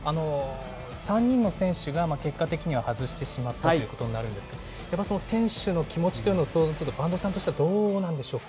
３人の選手が結果的には外してしまったということになるんですが、やっぱり選手の気持ちというのを想像すると、播戸さんとしてはどうなんでしょうか。